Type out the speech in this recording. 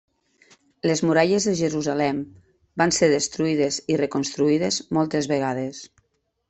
Les muralles de Jerusalem van ser destruïdes i reconstruïdes moltes vegades.